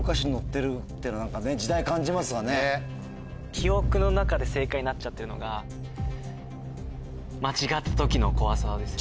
記憶の中で正解になっちゃってるのが間違った時の怖さですよね。